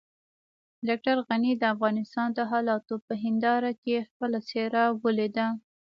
ډاکټر غني د افغانستان د حالاتو په هنداره کې خپله څېره وليده.